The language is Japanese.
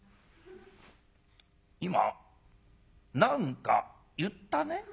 「今何か言ったね？